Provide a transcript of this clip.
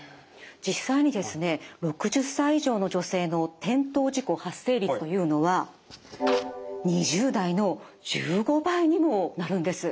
実際にですね６０歳以上の女性の転倒事故発生率というのは。にもなるんです。